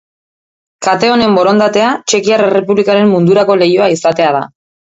Kate honen borondatea, Txekiar Errepublikaren mundurako leihoa izatea da.